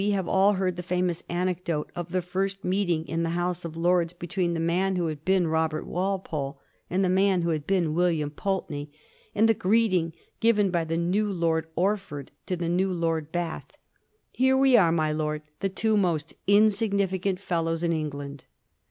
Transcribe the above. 195 have all heard the famous anecdote of the first meeting in the Honse of Lords between the man who had been Robert Walpole and the man who had been William Pulte ney, and the greeting given by the new Lord Orford to the new Lord Bath: "Here we are, my lord, the two most insignificant fellows in England."